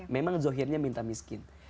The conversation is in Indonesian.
memang zuhirnya minta miskin